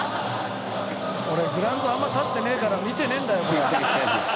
俺グラウンドあんま立ってねえから見てねえんだよ。